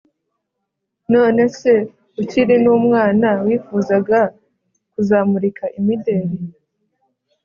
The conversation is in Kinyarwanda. none se ukiri n’umwana wifuzaga kuzamurika imideli?